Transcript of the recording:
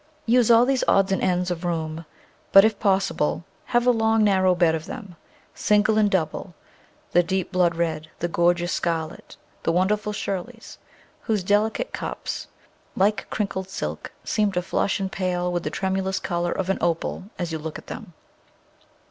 Use all these odds and ends of room, but, if possible, have a long, narrow bed of them — single and double, the deep blood red, the gorgeous scarlet, the wonderful Shirleys, whose delicate cups like Digitized by Google n8 The Flower Garden [Chapter crinkled silk seem to flush and pale with the tremulous colour of an opal as you look at them.